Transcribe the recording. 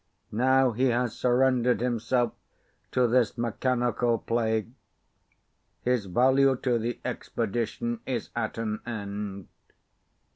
Now he has surrendered himself to this mechanical plague. His value to the expedition is at an end.